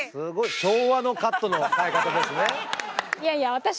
昭和のカットの使い方ですね。